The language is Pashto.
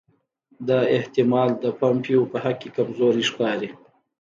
دا احتمال د پومپیو په حق کې کمزوری ښکاري.